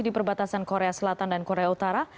di perbatasan korea selatan dan korea utara